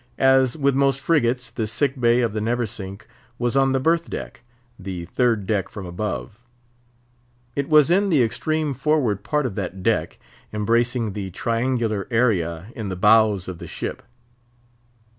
As with most frigates, the sick bay of the Neversink was on the berth deck—the third deck from above. It was in the extreme forward part of that deck, embracing the triangular area in the bows of the ship.